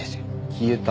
消えた？